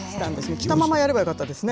着たままやればよかったですね。